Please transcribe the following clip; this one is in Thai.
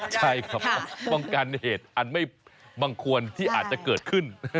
ใช่ครับป้องกันเหตุอันไม่บังควรที่อาจจะเกิดขึ้น